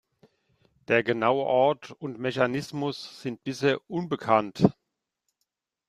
Der genaue Ort und Mechanismus sind bisher unbekannt.